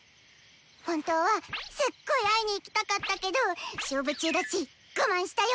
本当はすっごい会いに行きたかったけど勝負中だし我慢したよ！